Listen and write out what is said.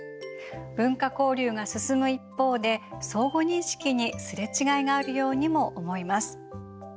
文化交流が進む一方で相互認識にすれ違いがあるようにも思います。